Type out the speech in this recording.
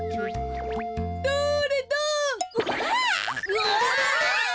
うわ。